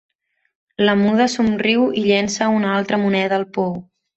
La muda somriu i llença una altra moneda al pou.